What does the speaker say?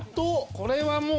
これはもう。